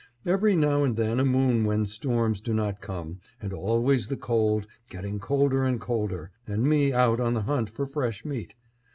Every now and then a moon when storms do not come, and always the cold, getting colder and colder, and me out on the hunt for fresh meat.